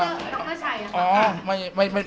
รักเตอร์ชัย